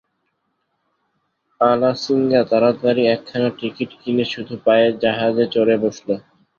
আলাসিঙ্গা তাড়াতাড়ি একখানা টিকিট কিনে শুধু পায়ে জাহাজে চড়ে বসল।